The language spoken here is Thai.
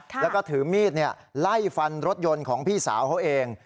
แล้วก็ถือมีดไล่ฟันรถยนต์ของพี่สาวเขาเอง